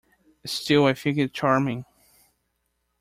Still I think it charming.